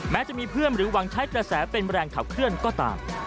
แม้จะมีเพื่อนหรือหวังใช้กระแสเป็นแรงขับเคลื่อนก็ตาม